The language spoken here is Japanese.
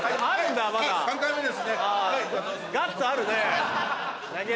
３回目ですね。